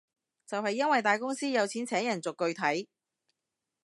就係因為大公司有錢請人逐句睇